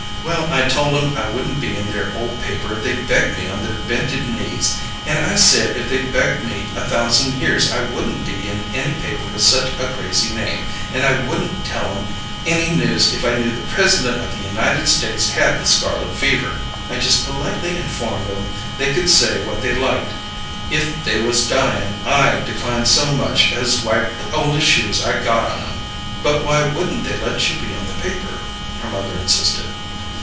Well, I told 'em I wouldn't be in their ole paper if they begged me on their bented knees; and I said if they begged me a thousand years I wouldn't be in any paper with such a crazy name and I wouldn't tell 'em any news if I knew the President of the United States had the scarlet fever! I just politely informed 'em they could say what they liked, if they was dying I declined so much as wipe the oldest shoes I got on 'em!" "But why wouldn't they let you be on the paper?" her mother insisted.